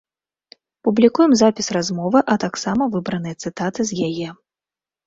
Публікуем запіс размовы, а таксама выбраныя цытаты з яе.